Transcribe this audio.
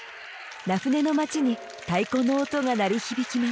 名舟の町に太鼓の音が鳴り響きます。